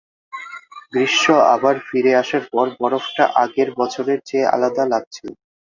গ্রীষ্ম আবার ফিরে আসার পর, বরফটা আগের বছরের চেয়ে আলাদা লাগছিল।